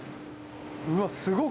うわっすごっ！